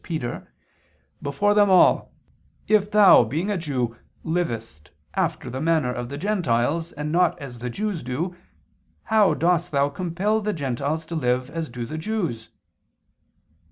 Peter, "before them all: If thou being a Jew, livest after the manner of the gentiles, and not as the Jews do, how dost thou compel the gentiles to live as do the Jews?"